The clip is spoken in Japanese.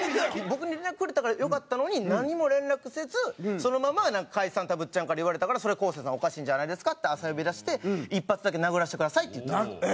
僕に連絡くれたらよかったのに何も連絡せずそのまま解散たぶっちゃんから言われたから「それは昴生さんおかしいんじゃないですか？」って朝呼び出して「一発だけ殴らせてください」って言ったんですよ。